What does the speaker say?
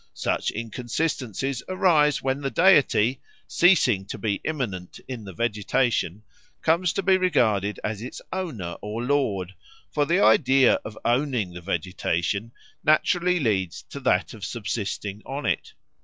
Such inconsistencies arise when the deity, ceasing to be immanent in the vegetation, comes to be regarded as its owner or lord; for the idea of owning the vegetation naturally leads to that of subsisting on it.